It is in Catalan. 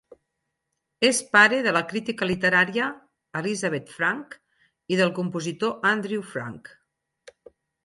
És pare de la crítica literària Elizabeth Frank i del compositor Andrew Frank.